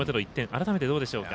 改めてどうでしょうか？